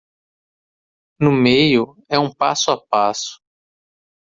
No meio é um passo a passo.